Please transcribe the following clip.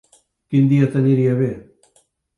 Quin dia t'aniria bé?